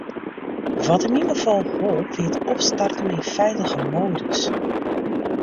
Wat yn myn gefal holp, wie it opstarten yn feilige modus.